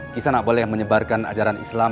kisah anak boleh menyebarkan ajaran islam